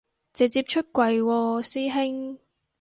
直接出櫃喎師兄